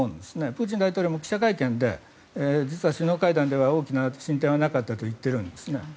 プーチン大統領も記者会見で実は首脳会談では大きな進展はなかったと言ってるんですね。